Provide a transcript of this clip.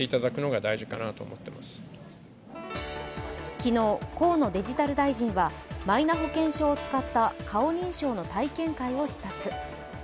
昨日、河野デジタル大臣はマイナ保険証を使った顔認証の体験会を視察。